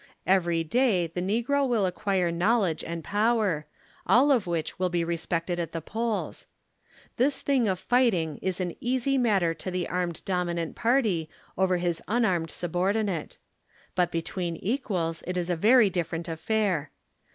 Every day the negro will acquire knowledge*and power, all of wliich will be respected at the polls. This thiug of fighting is an eas}' matter to the armed dominant party over his unarmed subordinate. But between equals, it is a very different affair.